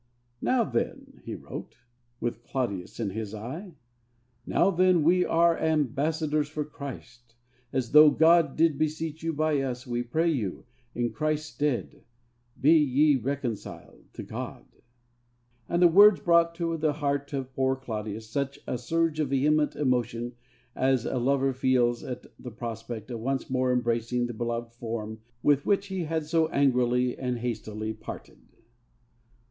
'Now then,' he wrote, with Claudius in his eye, 'now then, we are ambassadors for Christ, as though God did beseech you by us, we pray you, in Christ's stead, be ye reconciled to God.' And the words brought to the heart of poor Claudius just such a surge of vehement emotion as a lover feels at the prospect of once more embracing the beloved form with which he had so angrily and hastily parted.